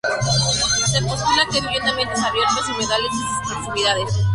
Se postula que vivió en ambientes abiertos, en humedales y sus proximidades.